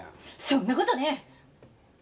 そんなことね！